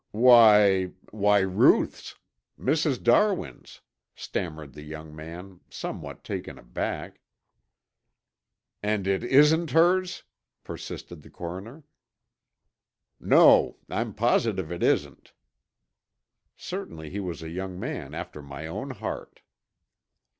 "Why why, Ruth's Mrs. Darwin's," stammered the young man, somewhat taken aback. "And it isn't hers?" persisted the coroner. "No, I'm positive it isn't." Certainly he was a young man after my own heart.